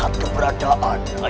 aku tidak mau kalah dengan mereka